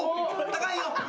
高いよ。